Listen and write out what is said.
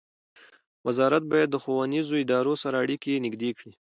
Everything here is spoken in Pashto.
وزارت باید د ښوونیزو ادارو سره اړیکې نږدې کړي.